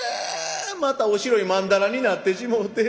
またおしろいまんだらになってしもうて。